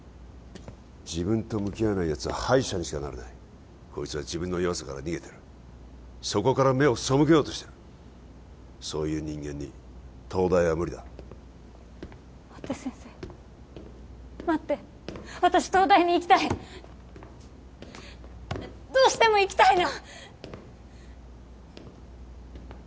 自分と向き合わないやつは敗者にしかなれないこいつは自分の弱さから逃げてるそこから目を背けようとしてるそういう人間に東大は無理だ待って先生待って私東大に行きたいどうしても行きたいの！